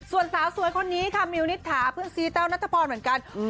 ส่วนสาวสวยคนนี้ค่ะมิวนิษฐาเพื่อนซีแต้วนัทพรเหมือนกัน